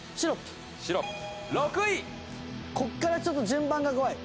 ここからちょっと順番が怖い。